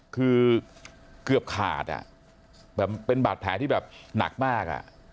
คือเกือบขาดอ่ะเป็นบัตรแผนที่แบบหนักมากอ่ะ